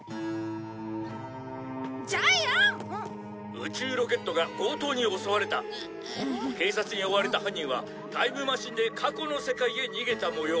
「宇宙ロケットが強盗に襲われた」「警察に追われた犯人はタイムマシンで過去の世界へ逃げた模様」